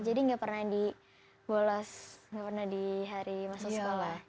jadi nggak pernah di bolos nggak pernah di hari masuk sekolah